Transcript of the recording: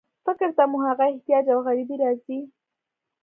فکر ته مو هغه احتیاج او غریبي راځي.